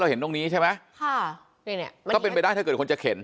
เห็นตรงนี้ใช่ไหมค่ะเนี่ยก็เป็นไปได้ถ้าเกิดคนจะเข็น